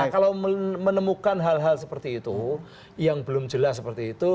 kalau menemukan hal hal seperti itu yang belum jelas seperti itu